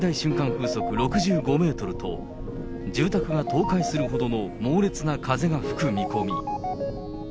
風速６５メートルと、住宅が倒壊するほどの猛烈な風が吹く見込み。